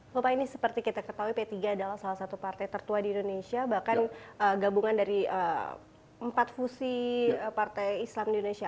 bapak ini seperti kita ketahui p tiga adalah salah satu partai tertua di indonesia bahkan gabungan dari empat fusi partai islam di indonesia